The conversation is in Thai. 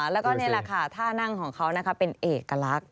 แล้วก็นี่แหละค่ะท่านั่งของเขาเป็นเอกลักษณ